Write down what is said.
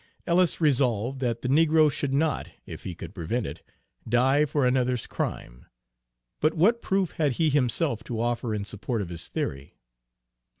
Ellis resolved that the negro should not, if he could prevent it, die for another's crime; but what proof had he himself to offer in support of his theory?